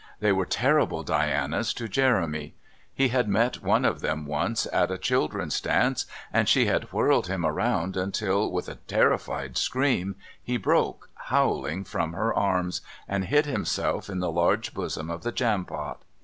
They were terrible Dianas to Jeremy. He had met one of them once at a Children's Dance, and she had whirled him around until, with a terrified scream, he broke, howling, from her arms, and hid himself in the large bosom of the Jampot.